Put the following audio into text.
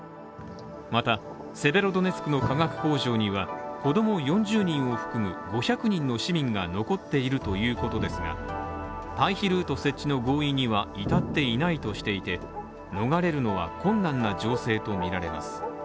また、セベロドネツクの化学工場には子供４０人を含む５００人の市民が残っているということですが、退避ルート設置の合意には至っていないとしていて、逃れるのは困難な情勢とみられます。